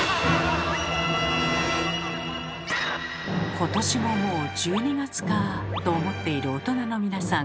「今年ももう１２月かあ」と思っている大人の皆さん。